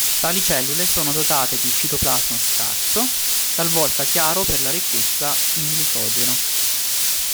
Tali cellule sono dotate di citoplasma scarso, talvolta chiaro per la ricchezza in glicogeno.